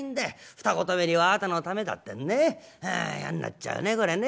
二言目には『あなたのためだ』ってんでね。あ嫌になっちゃうねこれね。